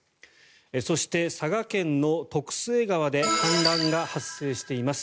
そして、佐賀県の徳須恵川で氾濫が発生しています。